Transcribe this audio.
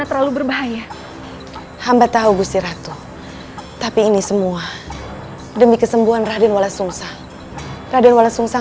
hebat juga raja perlindungan